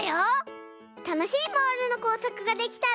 たのしいモールのこうさくができたら。